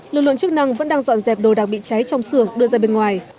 lực lượng chức năng vẫn đang dọn dẹp đồ đạc bị cháy trong xưởng đưa ra bên ngoài